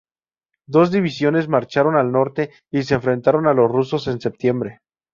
Dos divisiones marcharon al norte y se enfrentaron a los rusos en septiembre.